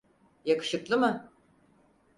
Yakışıklı mı?